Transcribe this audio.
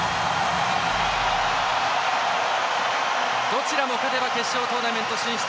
どちらも勝てば決勝トーナメント進出。